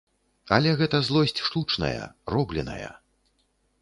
Але гэта злосць штучная, робленая.